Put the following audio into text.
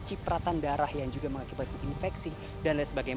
cipratan darah yang juga mengakibatkan infeksi dan lain sebagainya